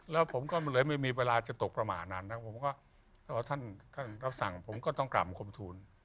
แล้วผมก็เลยไม่มีเวลาจะตกประมาณนั้นนะผมก็ท่านรับสั่งผมก็ต้องกลับมาคมทูล